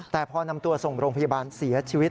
แต่พอนำตัวส่งโรงพยาบาลเสียชีวิต